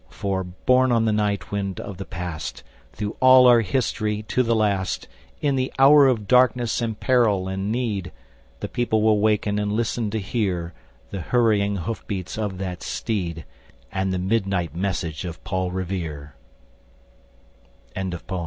For, borne on the night wind of the Past, Through all our history, to the last, In the hour of darkness and peril and need, The people will waken and listen to hear The hurrying hoof beats of that steed, And the midnight message of Pa